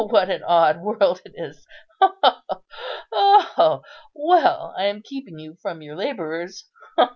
Oh, what an odd world it is! Ha, ha, ha, ha, ha! Well, I am keeping you from your labourers.